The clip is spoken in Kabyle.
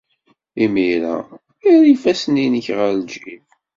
Imir-a, err ifassen-nnek ɣer ljib.